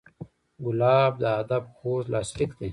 ګلاب د ادب خوږ لاسلیک دی.